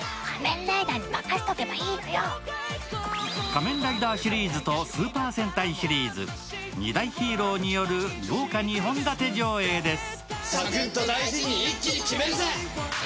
「仮面ライダー」シリーズとスーパー戦隊シリーズ、２大ヒーローによる豪華２本立て上映です。